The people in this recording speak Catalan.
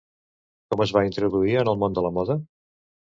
Com es va introduir en el món de la moda?